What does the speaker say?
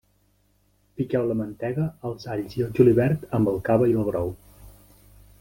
Piqueu la mantega, els alls i el julivert amb el cava i el brou.